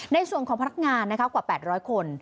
ในส่วนของพนักงานกว่า๘๐๐คน